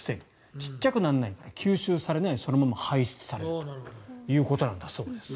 小さくならないから吸収されずにそのまま排出されるということなんだそうです。